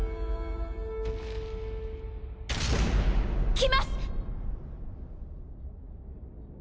来ます！